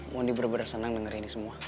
mondi bener bener senang dengerin ini semua